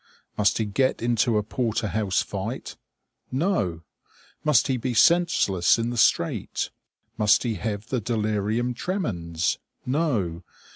Must he get into a porter house fight? No! Must he be senseless in the street? Must he have the delirium tremens? No!